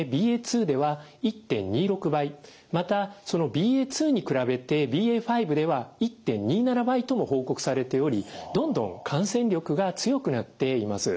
またそのＢＡ．２に比べてＢＡ．５では１．２７倍とも報告されておりどんどん感染力が強くなっています。